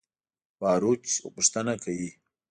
باروچ پوښتنه کوي.